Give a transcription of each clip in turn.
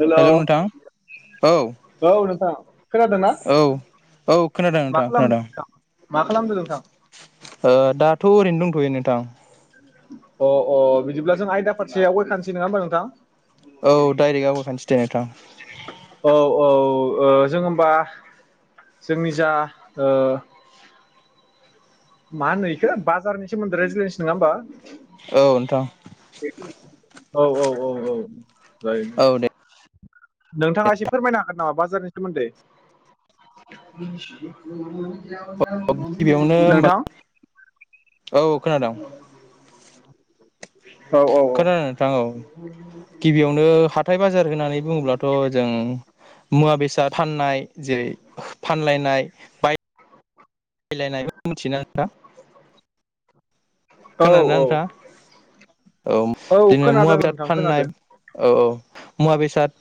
हेल' औ औ नोंथां। खोनादोंना? औ औ खोनादों मा नोंथां खालामदों खोनादों नोंथां? मा खालामदों नोंथां? ओ दाथ ओरैनो दंथयो नोंथां अ अ बिदिब्ला जों आयदा फारसे आवगायखानोसै नङा होमबा नोंथां औ डाइरेक्ट आवगायखानोसै दे नोंथां औ औ ओ जों होमबा जोंनि जा ओ मा होनो इखो बाजारनि सोमोन्दै रायज्लायनोसै नङा होमबा औ नोंथां औ औ औ औ जायो औ दे नोंथाङा एसे फोरमायनो हागोन नामा बाजारनि सोमोन्दै गिबियावनो होमबा नोंथां औ खोनादों औ औ खोनादों नोंथां औ गिबियावनो हाथाय बाजार होननानै बुङोब्लाथ जों मुवा बेसाद फाननाय जेरै फानलायनाय बाय बायलायनायबो मिथियोना नोंथां औ औ खोनादों औ ना नोंथां औ बिदिनो मुवा खोनादों बेसाद नोंथां खोनादों फाननाय औ औ मुवा बेसाद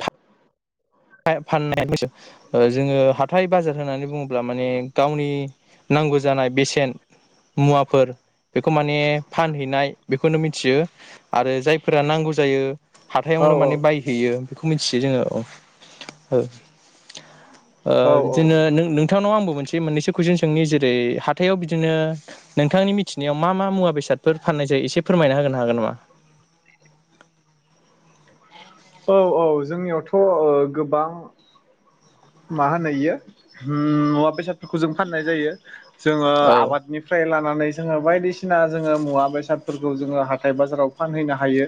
[unintelligible] नांगौ जानाय बेसेन मुवाफोर बेखौ माने फानहैनाय बेखौनो मिथियो आरो जायफोरा नांगौ जायो औ हाथायावनो औ माने बायहैयो बेखौ मिथियो जोङो औ ओ ओ औ बिदिनो नों नोंथांनाव आंबो मोनसे मोननैसो कुइसन सोंनि जेरै हाथायाव बिदिनो नोंथांनि मिथिनायाव मा मा मुवा बेसादफोर फान नाय एसे फोरमायना होनो हागोन नामा [inaudible] औ औ जोंनियावथ ओ गोबां मा होनो इयो ओम मुवा बेसाद फोरखौ जों फाननाय जायो जोङो औ आबादनिफ्राय लाना जोङो बायदिसिना जोङो मुवा बेसादफोरखौ जोङो हाथाय बाजाराव फानहैनो हायो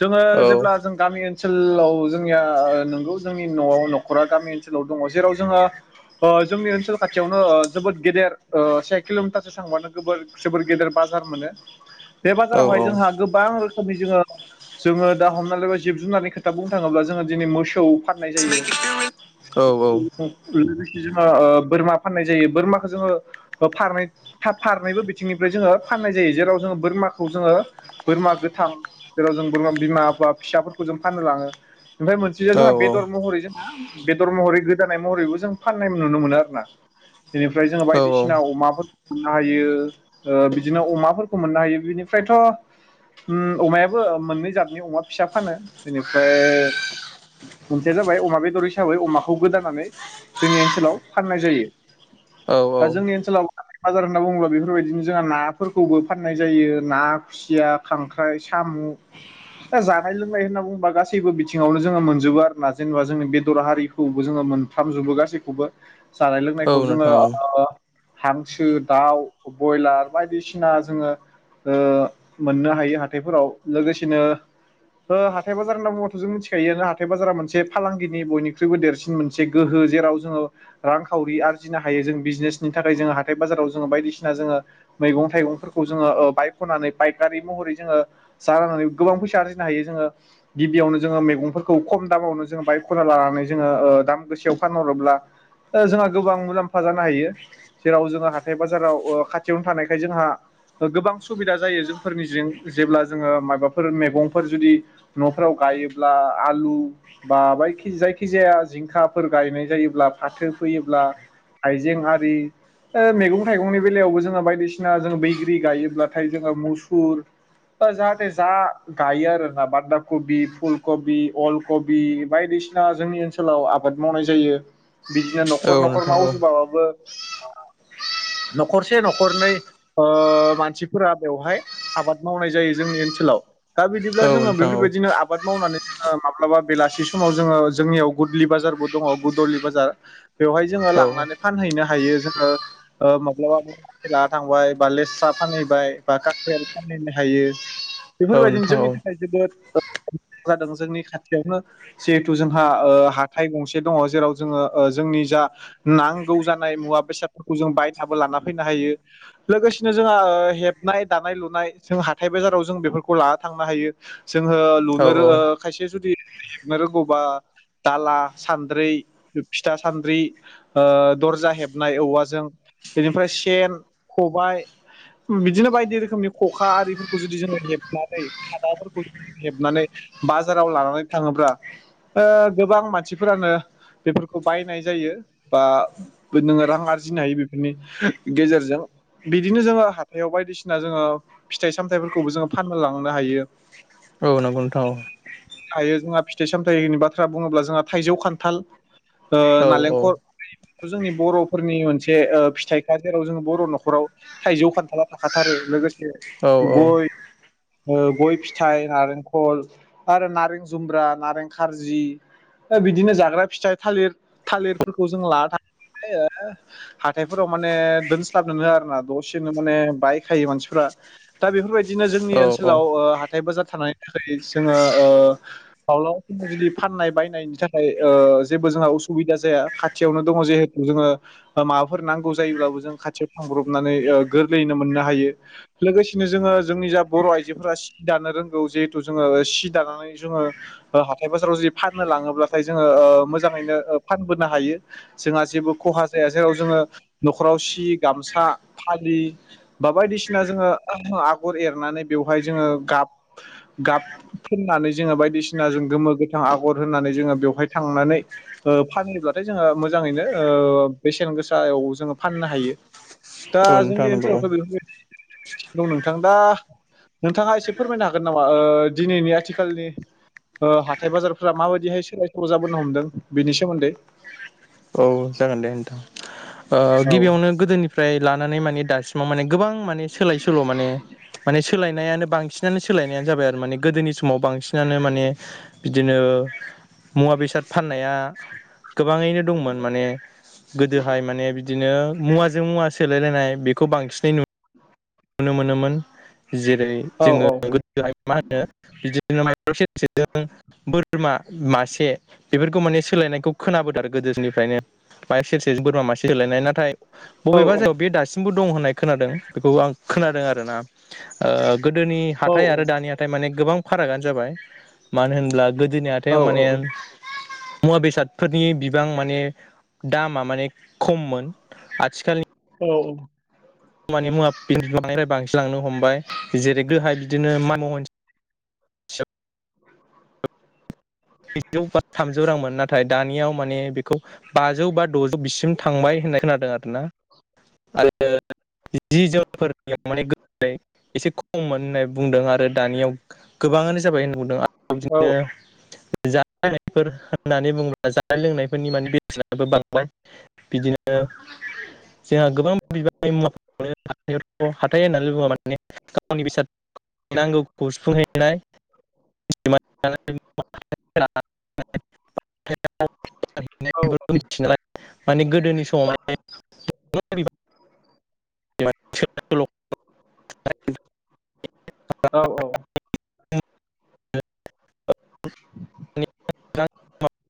सोरबा औ जेब्ला जों गामि ओनसोलाव जोंनिया नोंगौ जोंनि नआव नखरा गामि ओनस सोलाव दङ जेराव जोङो ओ जोंनि ओनसोल खाथियावनो ओ जोबोद गेदेर ओ से किल मिटारसो थां नयावनो गोबोर सोबोर गेदेर बाजार मोनो बे औ बाजारावहाय जोंहा गोबां रो खोमै जोङो जोङो दा हमनानै लाबा जिब जुनारनि खोथा बुं थाङोब्ला जोङो दिनै मोसौ फाननाय जायो औ जोङो ओ बोरमा फाननाय जायो बोरमाखो जोङो फारनै फा फारनैबो बिथिंनिफ्राय जोङो फाननाय जायो जेराव जोङो बोरमाखौ जोङो बोरमा गोथां जेराव जों बोरमा बिमा बा फिसाफोरखौ जों फान्नो लाङो ओमफाय मोनसेया जोंहा औ बेदर महरै जोंहा बेदर महरै गोदानाय महरैबो जों फाननाय नुनो मोनो आरो ना बेनिफ्राय जोङो बायदिसिना औ अमा मोननो हायो ओ बिदिनो अमाफोरखौ मोननो हायो बिनिफ्रायथ उम अमायाबो मोननै जादनि अमा फिसा फानो बेनिफ्राय मोनसेया जाबाय अमा बेदर हिसाबै अमाखो खौ गोदानानै जोंनि ओनसोलाव फाननाय जायो औ औ दा जोंनि ओनसोलाव बाजार होनना बुङोब्ला बेफोरबायदिनो जोंहा नाफोरखौबो फाननाय जायो ना खुसिया खांख्राइ साम औ दा जानाय लोंनाय होनना बुंबा गासैबो बिथिङावनो जोङो मोनजोबो आरो ना जेनेबा जोंनि बेदर हारि खौबो जोङो मोनथामजोबो गासैखौबो जानाय औ लोंनायखौ जोङो नोंथां औ ओ हांसो दाउ बयलार बायदिसिना जोङो ओ मोननो हायो हाथायफोराव लोगोसेनो ओ हाथाइ बाजार होनना बुंबाथ जों मिथिखायो नालाय हाथाय बाजारा मोनसे फालांगिनि बयनि ख्रुइबो देरसिन मोनसे गोहो जेराव जोङो रांखावरि आरजिनो हायो जों बिजनेसनि थाखाय जोङो हाथाय बाजार ओ बायदिसिना जोंङो मैगं थाइगं फोरखौ जोंङो ओ बायखनानै पायकारि महरै जोंङो गोबां फैसा आरजिनो हायो जोङो गिबियावनो जोङो मैगफोरखौ खम दामावनो जो बाहायख ना लानानै जोङो ओ दाम गोसायाव फानहरोब्ला ओ जोंहा गोबां मुलाम्फा जानो हायो। जेराव जोङो हाथाय बाजाराव खाथियावनो थानायखाय जोंहा गोबां सुबिदा जायो जोंफोरनिजिं जेब्ला जोङो माबाफोर मैगंफोर जुदि न'फोराव गा गायोब्ला आलु बा बायखि जायखि जायखिजाया जिंखाफोर गायनाय जायोब्ला फाथो फैयोब्ला हायजें आरि मैगं-थाइगंनि बेलायावबो जोङो बायदिसिना जो बैग्रि गायोब्लाथाय जोङो मुसुर जाहाथे जा गायो आरोना बान्दा कबि, फुल कबि, अल कबि बायदिसिना जोंनि ओनसोलाव आबाद मावनाय जायो। बिदिनो औ नखर नखर नोंथां औ मावजुबाबाबो नखरसे नखरनैओ मानसिफोरा बेवहाय आबाद मावनाय जायो जोंनि - ओनसोलाव दा बिदिब्ला औ जोङो नोंथां औ बेफोरबायदिनो आबाद मावनानै जोङो माब्लाबा बेलासि समाव जोंङो जोंनियाव गुदलि बाजारबो दङ गुदलि बाजार बेवहाय जोङो औ लांनानै फानहैनो हायो जोङो माब्लाबाला थांबाय बा लेस्रा फानहैबाय बा काकरेल फान नो हायो। औ बेफोरबायदिनो नोंथां जोंनि थाखाय जोबोद जादों जोंनि खाथियावनो जिहेथु जों हा हाथाइ गंसे दङ जेराव जोङो जोंनि जा नांगौ जानाय मुवा-बेसाद जोंङो बायनाबो‌ लाना फैनो हायो लोगोसेनो जों हेबनाय दानाय लुनाय हाथाइ बाजार फोराव जों बेफोरखौ लाना थांनो हायो जोङो औ लुनो खायसे जुदि हेबनो रोंगौबा दाला सान्द्रि फिथा सान्द्रि ओ दर्जा हेबनाय औवाजों बेनिफ्राय सेन खबाय बिदिनो बायदि रोखोमनि खखा आरिफोरखौ जुदि जोङो हेबनानै खादाफोरखौ ज हेबनानै बाजाराव लानानै थाङोब्ला गोबां ओ मानसिफोरानो बेफोरखौ बायनाय जायो बा नोङो रां आरजिनो हायो बेफोरनि गेजेरजों बिदिनो जोङो हाथायाव बायदिसिना जोङो फिथाइ सामथायाइफोरखौबो जोङो फानलांनो हायो। [inaudible] औ नंगौनोथां औ हायो जोंहा फिथाइ साम थायनि बाथ्रा बुङोब्ला जोंहा थाइजौ, खान्थाल ओ, औ औ नालेंखर जोंनि बर-फोरनि मोनसे ओ फिथाइखा जेराव जों बर न'खराव थाइजौ, खान्थाला थाखाथारो। लोगोसे औ गय गय फिथाइ, नारेंखल आरो नारें जुम्ब्रा, नारें खार्जि बिदिनो जाग्रा फिथाइ थालिर थालिरफोरखौ जों लाना थांङो ओ हाथायफोराव माने दोनस्लाबनोनो आरो ना दसेनो माने बायखायो मानसिफोरा दा बेफोरबायदिनो औ जोंनि ओनसोलाव ओ हाथाय बाजार थानायनि थाखाय जोङो ओ माब्लाबा जुदि फाननाय बायनायनि थाखाय ओ जेबो जोंहा उसुबिदा जाया खाथियावनो दङ जिहेथु जोङो माबाफोर नांगौ जायोब्लाबो जों खाथियाव थांब्रबनानै ओ गोरलैयैनो मोननो हायो लोगोसेनो जोङो जोंनि जा बर' आइजोफोरा सि दानो रोंगौ जिहेथु जोङो सि दानानै जोङो हाथाय बाजाराव जुदि फाननो लाङोब्लाथाय जोङो ओ मोजाङैनो फानबोनो हायो जोंहा जेबो खहा जाया जेराव जोङो न'खराव सि गामसा फालि बा बायदिसिना जोङो आगर एरनानै बेवहाय जोङो गाब गाब फुननानै जोङो बायदिसि ना जों गोमो, गोथां आगर होननानै जोङो बेवहाय थांनानै ओ फानहैब्लाथाय जोङो मोजाङैनो ओ बेसेन गोसायाव जोङो फाननो हायो दा नोंथां जोंनि नंगौ ओनसोलावथ' औ बेफोरबायदि दं नोंथां दा नोंथाङा एसे फोरमायनो हागोन नामा ओ दिनैनि आथिखालनि ओ हाथाय बाजारफोरा माबायदिहाय सोलाय सोल जाबोनो हमदों बेनि सोमोन्दै औ जागोन दे नोंथां ओ औ गिबियावनो गोदोनिफ्राय लानानै माने दासिमाव माने गोबां माने सोलाय सोल माने माने सोलायनायानो बांसिनानो सोलायनायानो जाबाय आरो माने गोदोनि समाव बांसिनानो माने बिदिनो ओ मुवा बेसाद फाननाया गोबाङैनो दंमोन। माने गोदोहाय माने बिदिनो मुवाजों मुवा सोलायलायनाय बेखौ बांसिनै नुयो। नुनो मोनोमोन जेरै औ जोङो औ गोदो मा होनो बिदिनो माइ सेरसेजों बोरमा मासे बेफोरखौ माने सोलायनायखौ खोनाबोदों आरो गो गोदोनिफ्रायनो मय सेरसे बोरमा मासे सोलायनाय नाथाय औ बबेबा जायगायाव बे दासिमबो दं होननाय खोनादों बेखौ आं खोनादों आरो ना ओ गोदोनि औ हाथाइ आरो दानि हाथाइ माने गोबां फारागानो जाबाय मानो होनब्ला गो औ माथाइआव माने मुवा बेसादफोरनि बिबां माने दामा माने खममोन आथिखालनि औ खानि मुवा बांफ्राय बांसिन लांनो हमबाय जेरै गोहाय बिदिनो माम' [inaudible] ब्रैजौ बा थामजौ रांमोन नाथाय दानियाव माने बेखौ बाजौ बा द'जौ बिसिम थांबाय होन्नाय खोनादों आरो ना आरो जि जोनफोरनियाव माने गो एसे खममोन होननानै बुंदों आरो दानियाव गोबाङानो जाबाय होनना बुंदों आरो औ बिदिनो जानाय लोंनायफोर होननानै बुङोब्ला जानाय लोंनायफोरनि माने बेसेनाबो बांबाय बिदिनो [unintelligible] [inaudible] जोंहा गोबां बिबार मुवा हावथ' हाथाइ होननानै बुङा माने गावनि बेसाद नांगौखौ सुफुंहैनाय मिथि औ [unintelligible] माने गोदोनि समाव [unintelligible] [unintelligible] औ औ।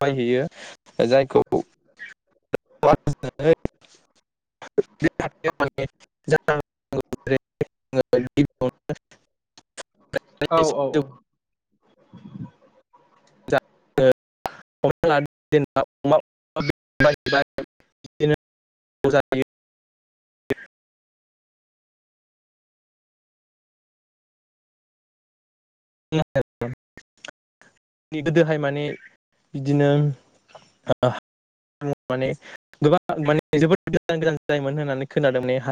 हैयो [unintelligible] जायखौ [unintelligible] [inaudible] [unintelligible] औ औ औ। [unintelligible] [unintelligible] जायो ज [inaudible] [unintelligible] गोदोहाय माने बिदिनो [unintelligible] माने गोबां माने जोबोद गोजान गोजान जायोमोन होननानै खोनादों माने ह